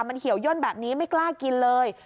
มันเหี่ยวย่นแบบนี้ไม่กล้ากินเลย